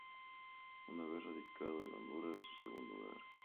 Una vez radicado en Honduras su segundo hogar.